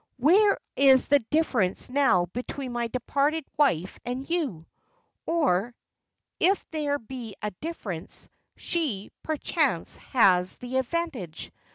Where is the difference now between my departed wife and you? Or, if there be a difference, she, perchance, has the advantage.